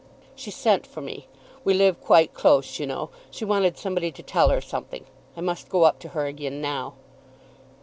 "She sent for me. We live quite close, you know. She wanted somebody to tell her something. I must go up to her again now."